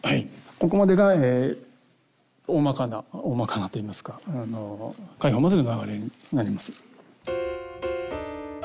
ここまでがおおまかなおおまかなといいますか解放までの流れになります。